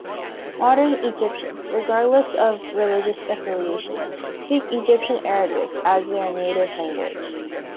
Modern Egyptians, regardless of religious affiliation, speak Egyptian Arabic as their native language.